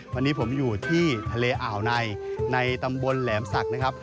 วันนี้ผมอยู่ที่ทะเลอ่าวในในตำบลแหลมศักดิ์นะครับ